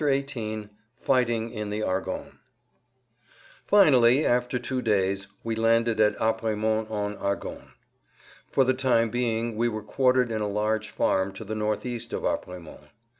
[Pg 148] XVIII FIGHTING IN THE ARGONNES Finally, after two days, we landed at Apremont en Argonne. For the time being we were quartered in a large farm to the northeast of Apremont.